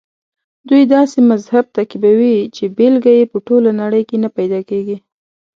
دوی داسې مذهب تعقیبوي چې بېلګه یې په ټوله نړۍ کې نه پیدا کېږي.